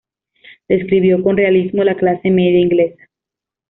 Describió con realismo la clase media inglesa.